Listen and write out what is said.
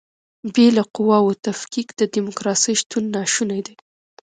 بې له قواوو تفکیک د دیموکراسۍ شتون ناشونی دی.